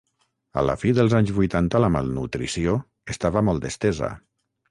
A la fi dels anys vuitanta la malnutrició estava molt estesa.